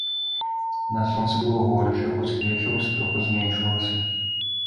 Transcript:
На сонцы было горача, хоць к вечару спёка зменшвалася.